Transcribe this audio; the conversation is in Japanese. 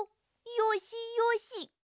よしよし。